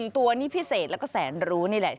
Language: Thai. ตัวนี้พิเศษแล้วก็แสนรู้นี่แหละ